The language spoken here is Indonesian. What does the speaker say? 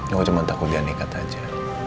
aku cuma takut dia nikah aja